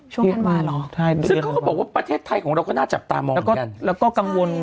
ชั่วท่านวาหรอ